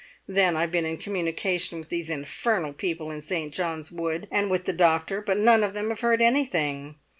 Then I've been in communication with these infernal people in St. John's Wood, and with the doctor, but none of them have heard anything.